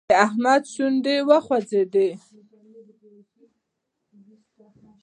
د حميد شونډې وخوځېدې.